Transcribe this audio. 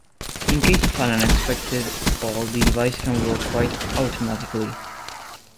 In case of an unexpected fall the device can work quite automatically.